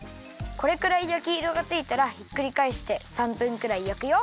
これくらいやきいろがついたらひっくりかえして３分くらいやくよ。